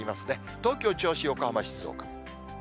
東京、銚子、横浜、静岡。